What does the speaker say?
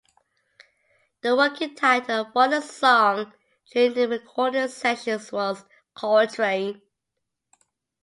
The working title for the song during the recording sessions was "Coltraine".